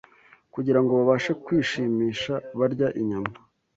kugira ngo babashe kwishimisha barya inyama